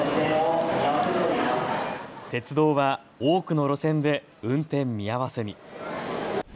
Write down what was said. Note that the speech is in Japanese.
鉄道は多くの路線で運転見合わせに。